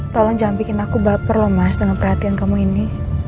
tolong jangan bikin aku baper loh mas dengan perhatian kamu ini